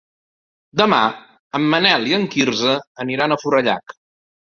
Demà en Manel i en Quirze aniran a Forallac.